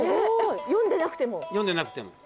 読んでなくても。